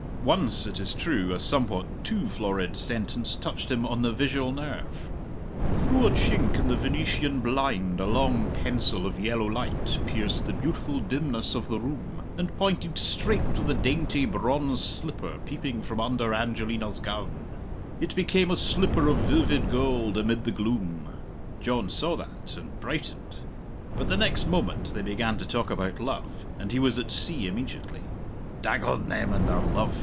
Once, it is true, a somewhat too florid sentence touched him on the visual nerve: "Through a chink in the Venetian blind a long pencil of yellow light pierced the beautiful dimness of the room and pointed straight to the dainty bronze slipper peeping from under Angelina's gown; it became a slipper of vivid gold amid the gloom." John saw that and brightened, but the next moment they began to talk about love and he was at sea immediately. "Dagon them and their love!"